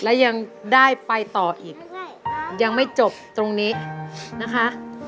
และยังได้ไปต่ออีกยังไม่จบตรงนี้นะคะ